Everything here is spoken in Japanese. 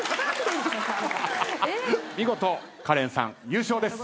見事カレンさん優勝です。